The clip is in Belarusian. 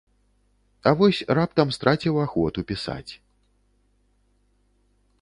А вось раптам страціў ахвоту пісаць.